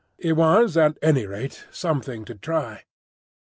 It was at any rate something to try.